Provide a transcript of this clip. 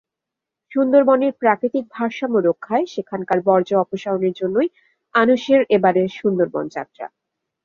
সুন্দরবনের প্রাকৃতিক ভারসাম্য রক্ষায় সেখানকার বর্জ্য অপসারণের জন্যই আনুশেহর এবারের সুন্দরবন-যাত্রা।